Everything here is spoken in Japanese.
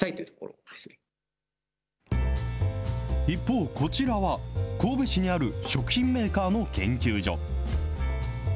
一方、こちらは、神戸市にある食品メーカーの研究所。